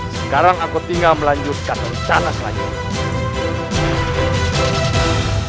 sekarang aku tinggal melanjutkan r frage selanjutnya